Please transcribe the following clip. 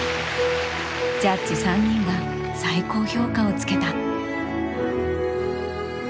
ジャッジ３人が最高評価をつけた。